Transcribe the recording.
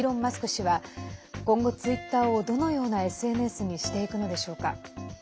氏は今後ツイッターを、どのようなＳＮＳにしていくのでしょうか。